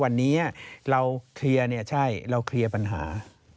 วันนี้เราเคลียร์ปัญหา